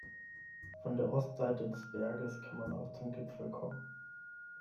Von der Ostseite des Berges kann man auch zum Gipfel kommen.